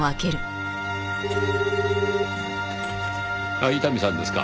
あっ伊丹さんですか。